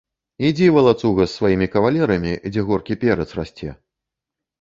Ідзі, валацуга, з сваімі кавалерамі, дзе горкі перац расце.